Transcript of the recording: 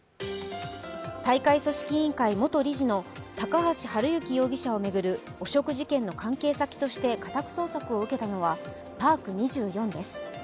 大会組織委員会元理事の高橋治之容疑者を巡る汚職事件の関係先として家宅捜索を受けたのはパーク２４です。